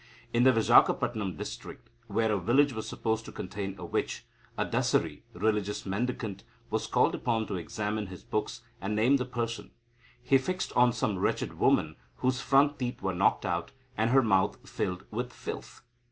In the Vizagapatam district, where a village was supposed to contain a witch, a Dasari (religious mendicant) was called upon to examine his books, and name the person. He fixed on some wretched woman, whose front teeth were knocked out, and her mouth filled with filth.